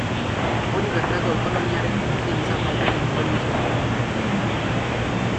Hori bertako ekonomiaren konfiantza faltaren ondorioz gerta liteke.